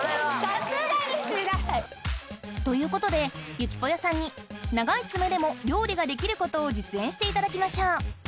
さすがにしない！ということでゆきぽよさんに長い爪でも料理ができることを実演して頂きましょう！